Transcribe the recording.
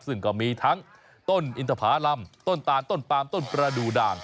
ซึ่งก็มีทั้งต้นอินทภารำต้นตาลต้นปามต้นประดูด่าง